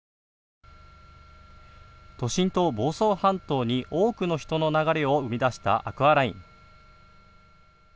都心と房総半島に多くの人の流れを生み出したアクアライン。